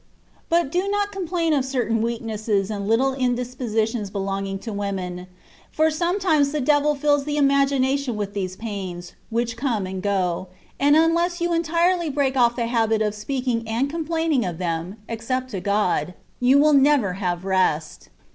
But do not com plain of certain weaknesses and little indispositions belonging to women ; for sometimes the devil fills the imagination with these pains, which go and come, and unless you entirely break off the habit of speaking and complaining of them (except to God), you will never have rest.